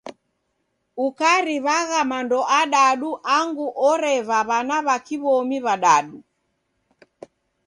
Ukariw'agha mando adadu angu oreva w'ana w'a kiw'omi w'adadu.